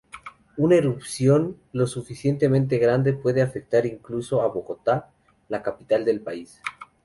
Una erupción lo suficientemente grande puede afectar incluso a Bogotá, la capital del país.